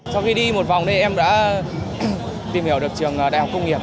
sau khi đi một vòng đây em đã tìm hiểu được trường đại học công nghiệp